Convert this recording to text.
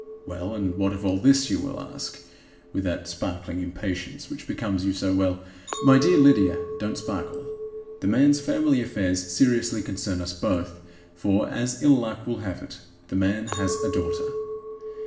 Well, and what of all this? you will ask, with that sparkling impatience which becomes you so well. My dear Lydia, don't sparkle! The man's family affairs seriously concern us both, for, as ill luck will have it, the man has got a daughter!